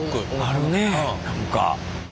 あるね何か。